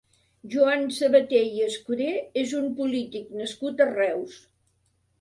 Joan Sabater i Escudé és un polític nascut a Reus.